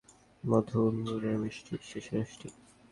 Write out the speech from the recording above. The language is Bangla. মধুপুরের মিষ্টি, বিশ্বের সেরা মিষ্টি!